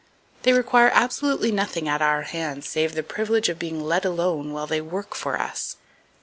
They require absolutely nothing at our hands save the privilege of being let alone while they work for us!